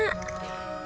bisa deh deh